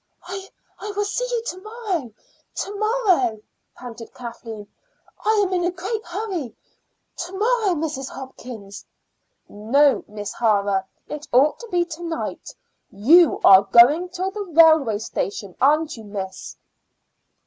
"I will see you to morrow to morrow," panted Kathleen. "I am in a great hurry. To morrow, Mrs. Hopkins." "No, Miss O'Hara; it ought to be to night. You are going to the railway station, aren't you, miss?"